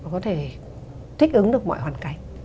có thể thích ứng được mọi hoàn cảnh